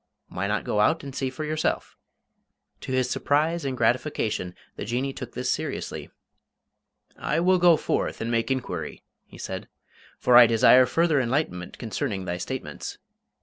Why not go out and see for yourself?" To his surprise and gratification the Jinnee took this seriously. "I will go forth and make inquiry," he said, "for I desire further enlightenment concerning thy statements.